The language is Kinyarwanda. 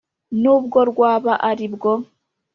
Nubwo rwaba ari bwo